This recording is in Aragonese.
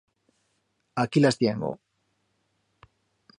Aquí las tiengo.